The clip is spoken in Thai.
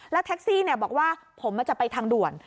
แล้วแท็กซี่เนี่ยบอกว่าผมจะไปทางด่วน